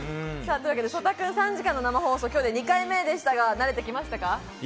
曽田君、３時間の生放送、今日で２回目ですが慣れてきましたか？